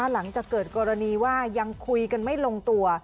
หลังจากเกิดกรณีว่ายังคุยกันไม่ลงตัว